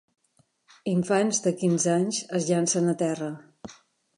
Infants de quinze anys es llancen a terra